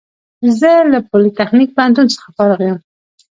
زه له پولیتخنیک پوهنتون څخه فارغ یم